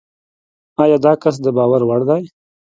ایا داکس دباور وړ دی؟